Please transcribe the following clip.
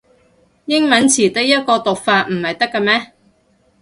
英文詞得一個讀法唔係得咖咩